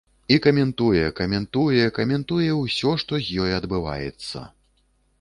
І каментуе, каментуе, каментуе ўсё, што з ёй адбываецца.